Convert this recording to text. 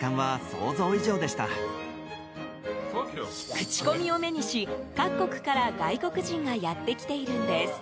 クチコミを目にし、各国から外国人がやってきているんです。